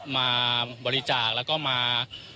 มาบริจาคแล้วก็มา